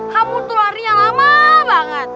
kamu tuh larinya lama banget